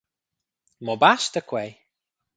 Mo basta quei?